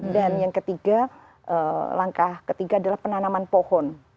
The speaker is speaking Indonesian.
yang ketiga langkah ketiga adalah penanaman pohon